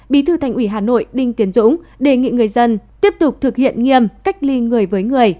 bí thư thành ủy hà nội đinh tiến dũng đề nghị người dân tiếp tục thực hiện nghiêm cách ly người với người